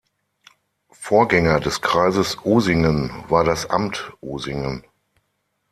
Vorgänger des Kreises Usingen war das Amt Usingen.